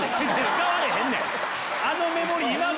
変われへんねん！